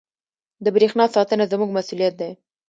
• د برېښنا ساتنه زموږ مسؤلیت دی.